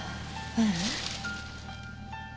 ううん。